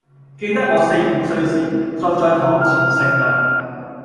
記得我四五歲時，坐在堂前乘涼，